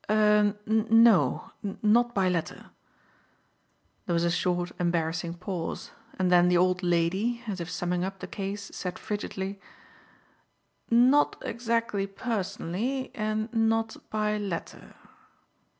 "Er no. Not by letter." There was a short embarrassing pause, and then the old lady, as if summing up the case, said frigidly: "Not exactly personally and not by letter."